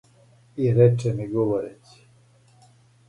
и рече ми говорећи